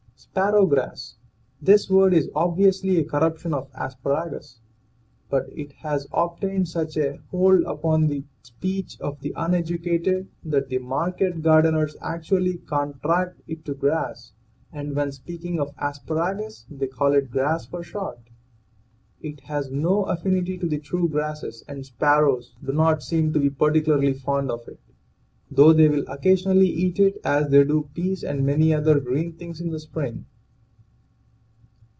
SPARROWGRASS. This word is obviously a corruption 224 THE SEVEN FOLLIES OF SCIENCE of asparagus, but it has obtained such a hold upon the speech of the uneducated that the market gardeners actu ally contract it to " grass" and when speaking of asparagus they call it " grass " for short. It has no affinity to the true grasses, and sparrows do not seem to be particularly fond of it, though they will occasionally eat it as they do peas and many other green things in the spring.